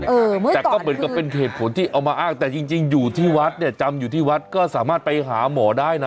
แต่ก็เหมือนกับเป็นเหตุผลที่เอามาอ้างแต่จริงอยู่ที่วัดเนี่ยจำอยู่ที่วัดก็สามารถไปหาหมอได้นะ